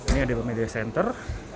ini adalah media center